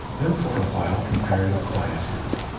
Then for awhile comparative quietude.